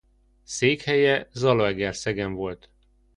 Székhelye Zalaegerszegen volt.